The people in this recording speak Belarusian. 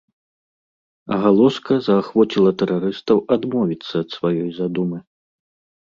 Агалоска заахвоціла тэрарыстаў адмовіцца ад сваёй задумы.